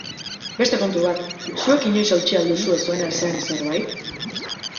Beste kontu bat, zuek inoiz hautsi al duzue zuena ez zen zerbait?